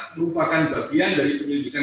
merupakan bagian dari penyelidikan